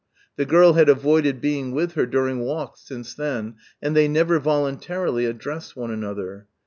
The girl had avoided being with her during walks since then, and they never voluntarily addressed one another.